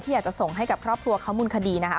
อยากจะส่งให้กับครอบครัวเขามูลคดีนะคะ